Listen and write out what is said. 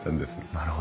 なるほど。